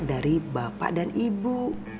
dari bapak dan ibu